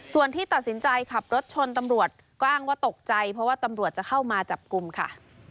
ส่วนที่ตัดสินใจขับรถชนตำรวจก็อ้างว่าตกใจเพราะว่าตำรวจจะเข้ามาจับกลุ่มค่ะ